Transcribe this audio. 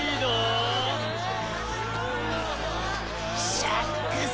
シャックス。